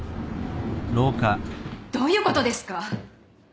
・どういうことですか？